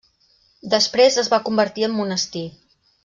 Després es va convertir en monestir.